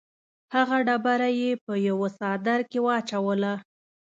هغه ډبره یې په یوه څادر کې واچوله.